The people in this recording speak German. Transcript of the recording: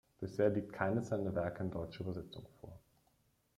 Bisher liegt keines seiner Werke in deutscher Übersetzung vor.